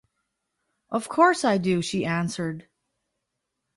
Of course I do,’ she answered.